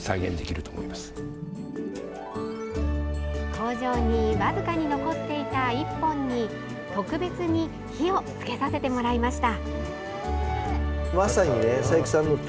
工場にわずかに残っていた１本に特別に火をつけてさせてもらいました。